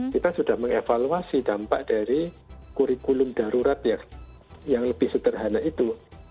kita sudah mengevaluasi dampak dari kurikulum darurat yang lebih sederhana itu